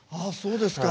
あそうですか。